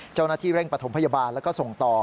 เจ้าหน้าที่เร่งปฐมพยาบาลแล้วก็ส่งต่อ